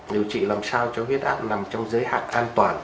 điều trị làm sao cho huyết áp nằm trong giới hạn an toàn